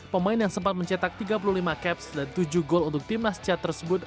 pemain yang sempat mencetak tiga puluh lima caps dan tujuh gol untuk tim nas cat tersebut